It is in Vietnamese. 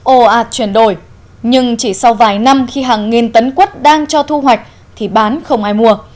ồ ạt chuyển đổi nhưng chỉ sau vài năm khi hàng nghìn tấn quất đang cho thu hoạch thì bán không ai mua